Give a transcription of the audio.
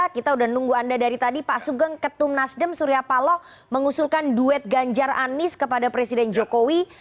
kita sudah nunggu anda dari tadi pak sugeng ketum nasdem surya paloh mengusulkan duet ganjar anis kepada presiden jokowi